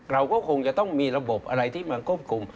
เราก็คงจะต้องมีระบบอะไรที่มาควบคุม